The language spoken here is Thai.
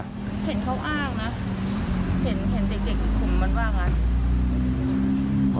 เห็นเขาอ้างนะเห็นเด็กอีกกลุ่มมันว่างั้น